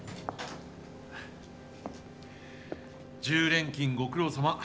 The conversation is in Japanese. １０連勤ご苦労さま。